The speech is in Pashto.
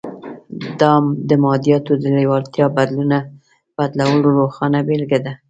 دا د مادیاتو د لېوالتیا بدلولو روښانه بېلګه ده